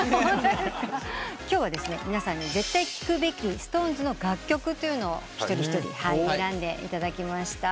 今日は皆さんに絶対聴くべきＳｉｘＴＯＮＥＳの楽曲というのを一人一人選んでいただきました。